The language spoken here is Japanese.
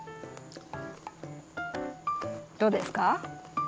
どうですか？